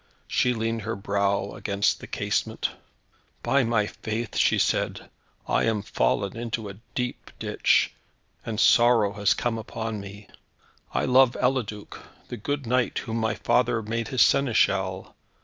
She leaned her brow against the casement. "By my faith," she said, "I am fallen into a deep ditch, and sorrow has come upon me. I love Eliduc, the good knight, whom my father made his Seneschal.